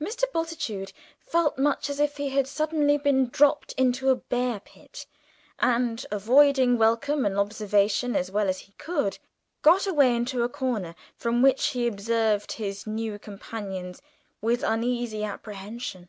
Mr. Bultitude felt much as if he had suddenly been dropped down a bear pit, and, avoiding welcome and observation as well as he could, got away into a corner, from which he observed his new companions with uneasy apprehension.